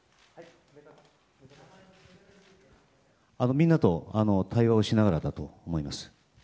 みんなと対話をしながらだと思います。